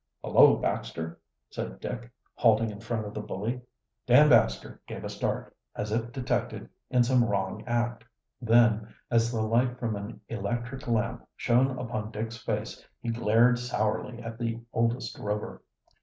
"Hullo, Baxter!" said Dick, halting in front of the bully. Dan Baxter gave a start, as if detected in some wrong act. Then, as the light from an electric lamp shone upon Dick's face, he glared sourly at the oldest Rover.